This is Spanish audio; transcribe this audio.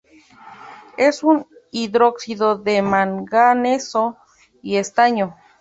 Es un hidróxido de manganeso y estaño.